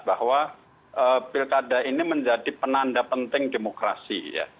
bahwa pilkada ini menjadi penanda penting demokrasi